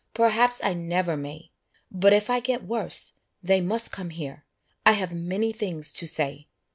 Perhaps I never may! But if I get worse, they must come here. I have many things to say!